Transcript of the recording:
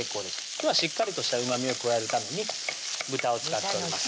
今日はしっかりとしたうまみを加えるために豚を使っております